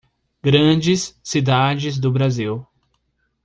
Grandes cidades do Brasil.